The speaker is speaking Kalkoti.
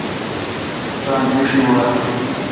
تان اݭی وا تھ۔